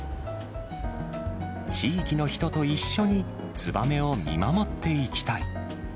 地域の人と一緒にツバメを見守っていきたい。